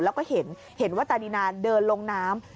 แล้วก็เห็นว่าตานีนาเดินลงน้ำ